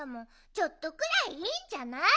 ちょっとくらいいいんじゃない？